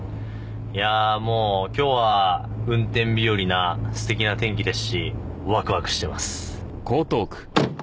いやもう今日は運転日和なすてきな天気ですしわくわくしてます。